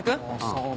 そう。